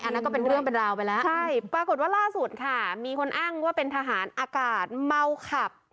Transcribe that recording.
อันนั้นก็เป็นเรื่องเป็นราวไปแล้วใช่ปรากฏว่าล่าสุดค่ะมีคนอ้างว่าเป็นทหารอากาศเมาขับ